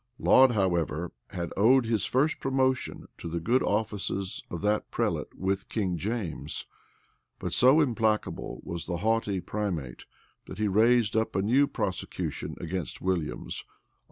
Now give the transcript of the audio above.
[v] Laud, however, had owed his first promotion to the good offices of that prelate with King James. But so implacable was the haughty primate, that he raised up a new prosecution against Williams, on the strangest pretence imaginable.